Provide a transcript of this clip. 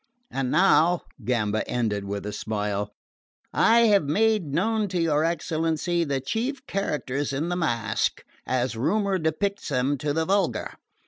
And now," Gamba ended with a smile, "I have made known to your excellency the chief characters in the masque, as rumour depicts them to the vulgar.